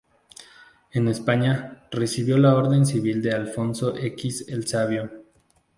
En España recibió la Orden Civil de Alfonso X el Sabio.